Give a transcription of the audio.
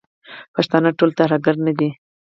پښتانه ټول ترهګر نه دي.